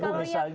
kalau yang besar